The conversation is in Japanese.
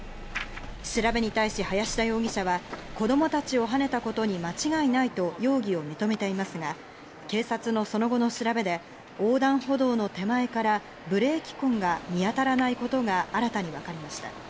調べに対し林田容疑者は子供たちをはねたことに間違いないと容疑を認めていますが、警察のその後の調べで、横断歩道の手前からブレーキ痕が見当たらないことが新たに分かりました。